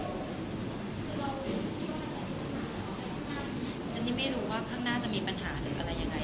ท่านที่ไม่รู้ว่าข้างหน้าจะมีปัญหาหรือปั๋ลาอย่างไร